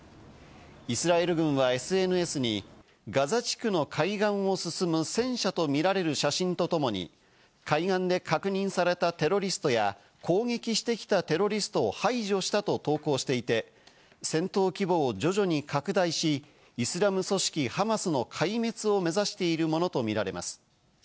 イスラエル軍はＳＮＳにガザ地区の海岸を進む戦車とみられる写真とともに、海岸で確認されたテロリストや攻撃してきたテロリストを排除したと投稿していて、戦闘規模を徐々に拡大し、イスラム組織ハマスの壊滅を目指しているものと見られます。